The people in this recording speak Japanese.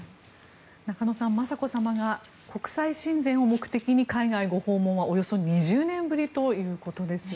中野さん、雅子さまが国際親善を目的に海外ご訪問はおよそ２０年ぶりということです。